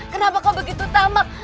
kenapa kau begitu tamak